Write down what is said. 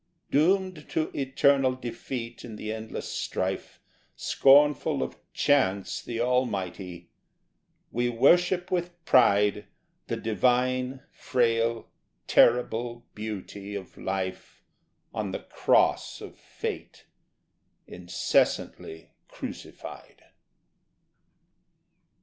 Doomed to eternal defeat in the endless strife, Scornful of Chance the Almighty, we worship with pride The divine, frail, terrible Beauty of Life On the Cross of Fate incessantly crucified.